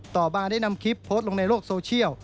ต่อมาได้นำคลิปโพสต์ลงในโลกโซเชียล